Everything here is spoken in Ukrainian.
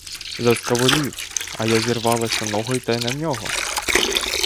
Заскавулів, а я зірвалася на ноги та й на нього!